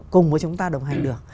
cùng với chúng ta đồng hành được